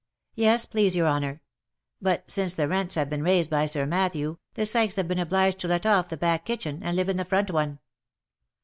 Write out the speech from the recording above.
" Yes, please your honour ; but since the rents have been raised by Sir Matthew, the Sykes's have been obliged to let off the back kitchen, and live in the front one."